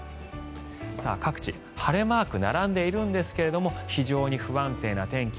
各地、晴れマーク並んでいるんですが非常に不安定な天気。